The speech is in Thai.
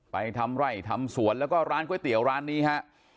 ทำไร่ทำสวนแล้วก็ร้านก๋วยเตี๋ยวร้านนี้ฮะ